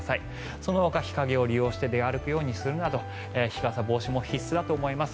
そのほか日陰を利用して出歩くようにするなど日傘、帽子も必須だと思います。